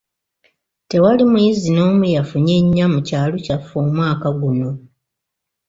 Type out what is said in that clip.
Tewali muyizi n'omu yafunye nnya mu kyalo kyaffe omwaka guno.